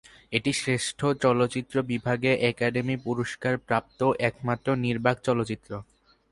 এটি শ্রেষ্ঠ চলচ্চিত্র বিভাগে একাডেমি পুরস্কার প্রাপ্ত একমাত্র নির্বাক চলচ্চিত্র।